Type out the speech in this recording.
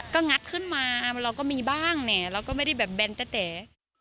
ก็งัดขึ้นมาเราก็มีบ้างแหมเราก็ไม่ได้แบบแบนตะแต๋